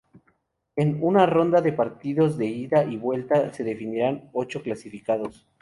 En una ronda de partidos de ida y vuelta se definirán ocho clasificados.